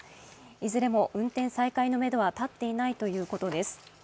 いずれも運転再開のめどは立っていないということです。